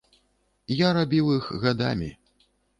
Я рабіў іх гадамі.